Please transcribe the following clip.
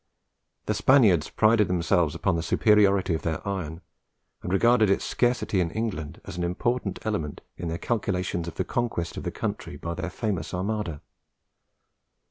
The Spaniards prided themselves upon the superiority of their iron, and regarded its scarcity in England as an important element in their calculations of the conquest of the country by their famous Armada.